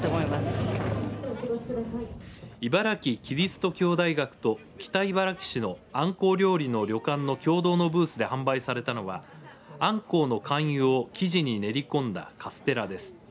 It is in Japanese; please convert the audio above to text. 茨城キリスト教大学と北茨城市のあんこう料理の旅館の共同のブースで販売されたのはあんこうの肝油を生地に練り込んだカステラです。